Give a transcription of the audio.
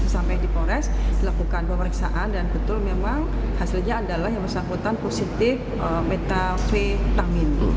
sampai di polres dilakukan pemeriksaan dan betul memang hasilnya adalah yang bersangkutan positif metafetamin